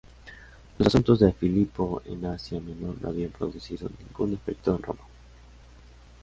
Los asuntos de Filipo en Asia menor no habían producido ningún efecto en Roma.